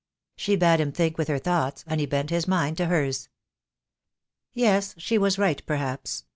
She bade him think with her thoughts, and he bent his mind to hers. Yes, she was right perhaps.